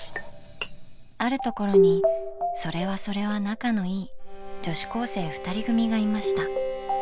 あるところにそれはそれは仲のいい女子高生２人組がいました。